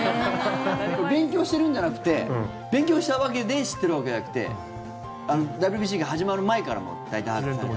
勉強してるんじゃなくて勉強して知ってるわけじゃなくてＷＢＣが始まる前から大体、把握して。